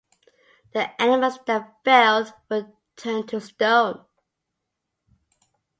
The animals that failed would turn to stone.